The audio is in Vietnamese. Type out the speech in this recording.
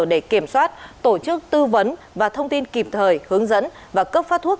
để kiểm soát tổ chức tư vấn và thông tin kịp thời hướng dẫn và cấp phát thuốc